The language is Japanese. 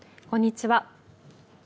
こんにちは。